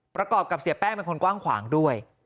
ประกอบกับเสียแป้งเป็นคนกว้างขวางด้วย